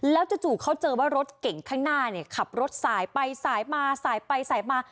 แล้วจู่เขาเจอว่ารถเก่งข้างหน้าเนี่ยขับรถสายไปสายมาสายไปสายมา